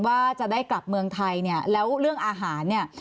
ว่าจะได้กลับเมืองไทยเนี่ยแล้วเรื่องอาหารเนี่ย